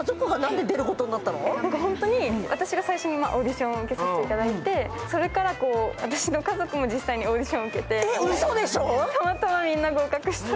私が最初にオーディションを受けさせていただいてそれから私の家族も実際にオーディション受けて、たまたまみんな合格した。